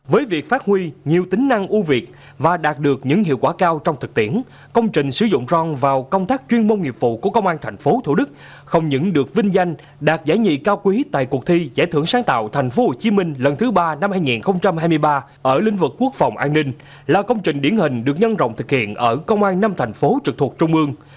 với việc phát huy nhiều tính năng ưu việt và đạt được những hiệu quả cao trong thực tiễn công trình sử dụng rong vào công tác chuyên môn nghiệp vụ của công an thành phố thủ đức không những được vinh danh đạt giải nhị cao quý tại cuộc thi giải thưởng sáng tạo thành phố hồ chí minh lần thứ ba năm hai nghìn hai mươi ba ở lĩnh vực quốc phòng an ninh là công trình điển hình được nhân rộng thực hiện ở công an năm thành phố trực thuộc trung ương